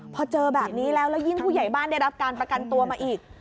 พอเจอแบบนี้แล้วแล้วยิ่งผู้ใหญ่บ้านได้รับการประกันตัวมาอีก